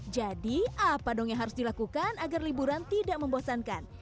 jadi apa dong yang harus dilakukan agar liburan tidak membosankan